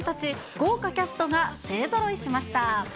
豪華キャストが勢ぞろいしました。